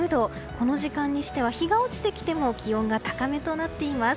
この時間にしては日が落ちてきても気温が高めとなっています。